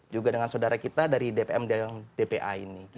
juga dengan saudara kita dari dpm dpa ini